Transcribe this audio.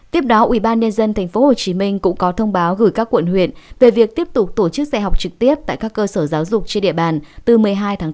tiếp đó ubnd tp hcm cũng có thông báo gửi các quận huyện về việc tiếp tục tổ chức dạy học trực tiếp tại các cơ sở giáo dục trên địa bàn từ một mươi hai tháng bốn